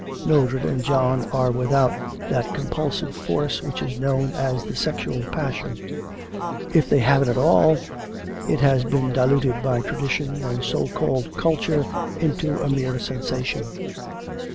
Mildred and John are without that compulsive force which is known as the sexual passion. If they have it at all, it has been diluted by tradition and so called culture into a mere sensation.